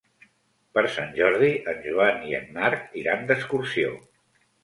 Per Sant Jordi en Joan i en Marc iran d'excursió.